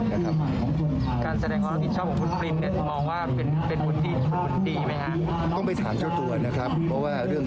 ได้ทราบพี่น้องสิ่งปัญชนนี้เล่าให้ฟังเท่านั้นเอง